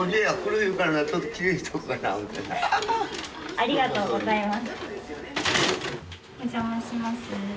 ありがとうございます。